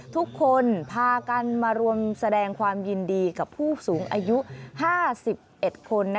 ทุกคนพากันมารวมแสดงความยินดีกับผู้สูงอายุ๕๑คน